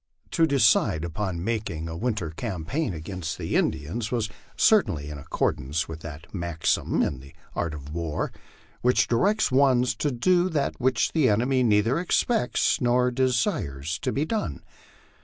To decide upon making a winter campaign against the Indians was cer tainly in accordance with that maxim in the art of war which directs one to do that which the enemy neither expects nor desires to be done.